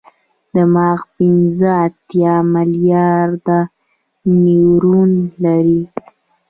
دماغ پنځه اتیا ملیارده نیورون لري.